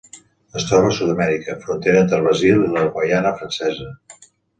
Es troba a Sud-amèrica: frontera entre Brasil i la Guaiana Francesa.